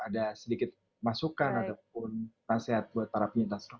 ada sedikit masukan ataupun nasihat buat para penyintas rock